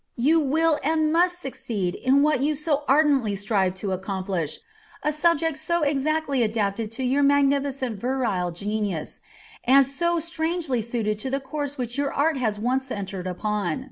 You will and must succeed in what you so ardently strive to accomplish, a subject so exactly adapted to your magnificent virile genius and so strangely suited to the course which your art has once entered upon.